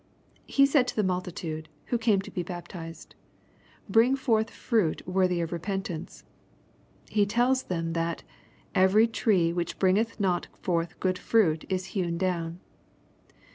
He said to the multitude^ who came to be baptized, " Bring forth fruit worthy of repentance." He tells them that "Every tree which bringeth not forth good fruit is hewn down."